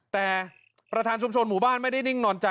แต่ประธานชุมชนหมู่บ้านไม่ได้นิ่งนอนใจ